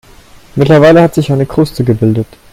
Mittlerweile hat sich eine Kruste gebildet.